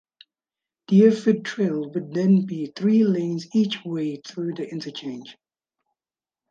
Deerfoot Trail would then be three lanes each way through the interchange.